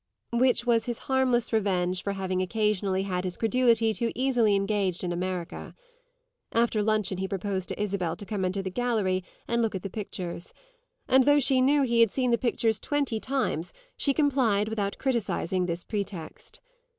Which was his harmless revenge for having occasionally had his credulity too easily engaged in America. After luncheon he proposed to Isabel to come into the gallery and look at the pictures; and though she knew he had seen the pictures twenty times she complied without criticising this pretext.